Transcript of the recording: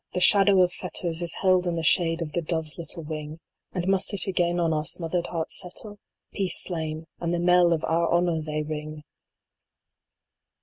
the shadow of fetters Is held in the shade of the Dove s little wing ; And must it again on our smothered hearts settle ? Peace slain and the knell of our Honor they ring